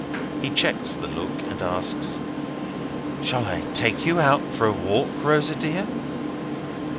He checks the look, and asks: "Shall I take you out for a walk, Rosa dear?"